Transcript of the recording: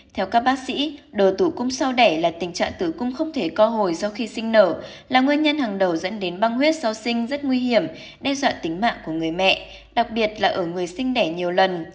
theo các bác sĩ đồ tủ cung sao đẻ là tình trạng tử cung không thể co hồi do khi sinh nở là nguyên nhân hàng đầu dẫn đến băng huyết sau sinh rất nguy hiểm đe dọa tính mạng của người mẹ đặc biệt là ở người sinh đẻ nhiều lần